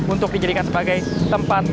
untuk dijadikan sebagai tempat